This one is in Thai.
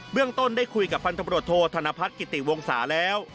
เรื่องต้นได้คุยกับพันธบรวจโทษธนพัฒน์กิติวงศาแล้ว